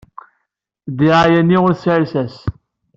Ddiɛaya-nni ur tesɛi llsas.